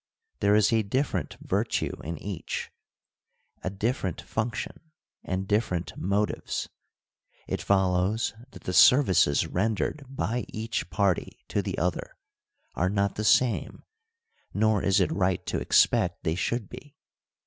There is a different virtue in each, a differ ent function, and different motives. It follows that the services rendered by each party to the other are not the same, nor is it right to expect they should be.